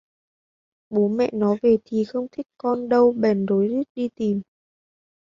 Bố mẹ nó về thì không thích con đâu bèn rối rít đi tìm